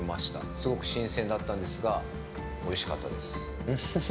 すごく新鮮だったんですがおいしかったです。